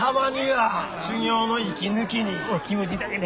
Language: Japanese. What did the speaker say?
お気持ちだけで。